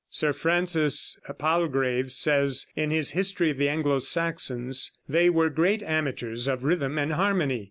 Sir Francis Palgrave says in his "History of the Anglo Saxons": "They were great amateurs of rhythm and harmony.